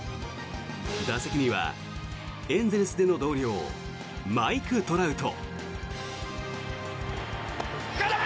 打席にはエンゼルスでの同僚マイク・トラウト。